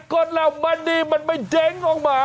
ดแล้วมันดีมันไม่เด้งออกมา